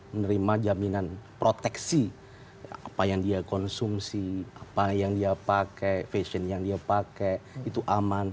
menerima jaminan proteksi apa yang dia konsumsi apa yang dia pakai fashion yang dia pakai itu aman